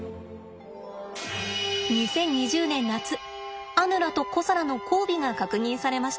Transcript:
２０２０年夏アヌラとコサラの交尾が確認されました。